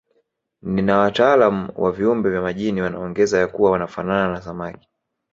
Na wataalamu wa viumbe vya majini wanaongeza ya kuwa wanafanana na samaki